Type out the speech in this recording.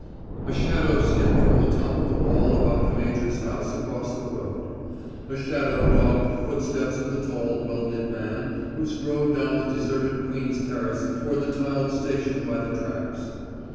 A shadow skipped from the top of the wall about the major's house across the road. A shadow dogged the footsteps of the tall well knit man who strode down the deserted Queen's Terrace toward the tiled station by the tracks.